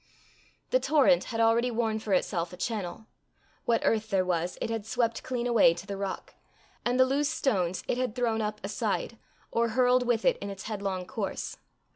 The torrent had already worn for itself a channel: what earth there was, it had swept clean away to the rock, and the loose stones it had thrown up aside, or hurled with it in its headlong course.